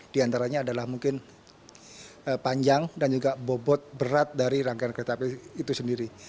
di antaranya adalah mungkin panjang dan juga bobot berat dari rangkaian kereta api itu sendiri